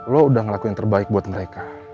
lo udah ngelakuin terbaik buat mereka